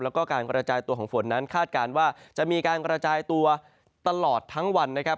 แล้วก็การกระจายตัวของฝนนั้นคาดการณ์ว่าจะมีการกระจายตัวตลอดทั้งวันนะครับ